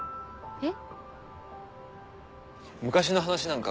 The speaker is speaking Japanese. えっ？